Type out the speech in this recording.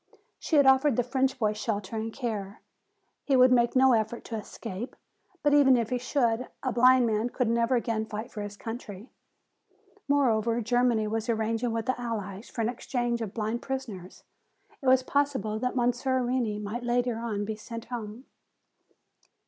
She had offered the French boy shelter and care. He would make no effort to escape, but even if he should, a blind man could never again fight for his country. Moreover, Germany was arranging with the Allies for an exchange of blind prisoners. It was possible that Monsieur Reney might later on be sent home."